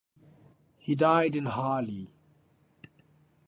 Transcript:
He died in Halle.